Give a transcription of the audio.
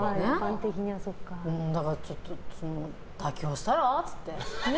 だからちょっと妥協したら？って言って。